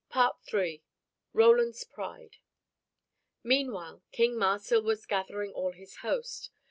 III ROLAND'S PRIDE Meanwhile King Marsil was gathering all his host.